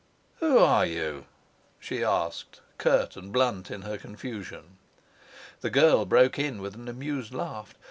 "Who are you?" she asked, curt and blunt in her confusion. The girl broke in with an amused laugh.